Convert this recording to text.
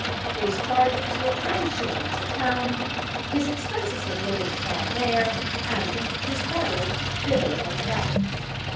His charges were twenty shillings a town, his expenses of living while there, and his carriage thither and back.